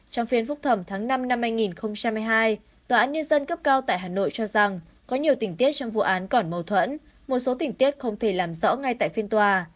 trong phiên phúc thẩm tháng năm năm hai nghìn hai mươi hai tòa án nhân dân cấp cao tại hà nội cho rằng có nhiều tình tiết trong vụ án còn mâu thuẫn một số tình tiết không thể làm rõ ngay tại phiên tòa